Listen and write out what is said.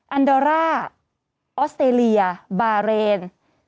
อันดอร่าออสเตรเลียบาเรน